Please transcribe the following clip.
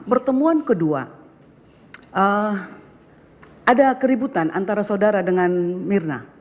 pertemuan kedua ada keributan antara saudara dengan mirna